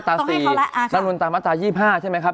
ตามณม๒๕ใช่ไหมครับ